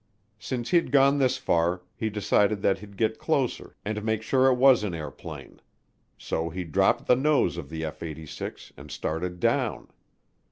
Since he'd gone this far, he decided that he'd get closer and make sure it was an airplane; so he dropped the nose of the F 86 and started down.